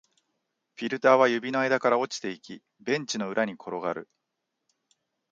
フィルターは指の間から落ちていき、ベンチの裏に転がる